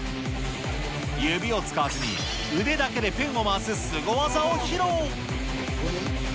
指を使わずに腕だけでペンを回すスゴ技を披露。